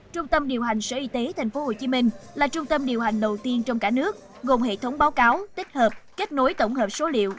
trung tâm điều hành sở y tế tp hcm là trung tâm điều hành đầu tiên trong cả nước gồm hệ thống báo cáo tích hợp kết nối tổng hợp số liệu